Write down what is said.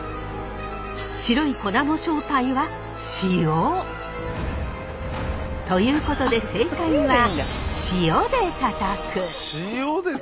白い粉の正体は塩！ということで正解は塩でたたく？